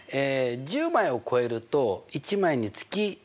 １０枚を超えると１枚につき１２００円。